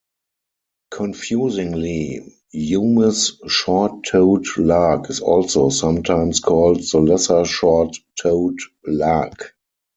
Confusingly, Hume's short-toed lark is also sometimes called the lesser short-toed lark.